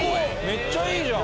めっちゃいいじゃん。